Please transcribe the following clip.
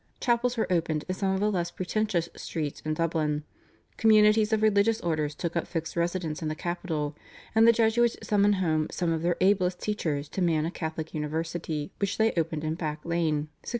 Chapels were opened in some of the less pretentious streets in Dublin; communities of religious orders took up fixed residences in the capital; and the Jesuits summoned home some of their ablest teachers to man a Catholic University which they opened in Back Lane (1627).